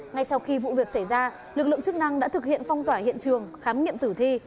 ngay sau khi vụ việc xảy ra lực lượng chức năng đã thực hiện phong tỏa hiện trường khám nghiệm tử thi